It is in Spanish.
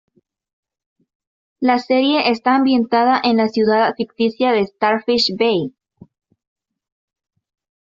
La serie está ambientada en la ciudad ficticia de Starfish Bay.